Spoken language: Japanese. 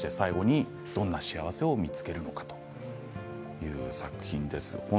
果たして最後にどんな幸せを見つけるのかという作品です。